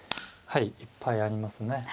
はいいっぱいありますね